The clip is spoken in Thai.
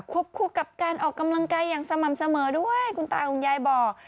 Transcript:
คู่กับการออกกำลังกายอย่างสม่ำเสมอด้วยคุณตาคุณยายบอก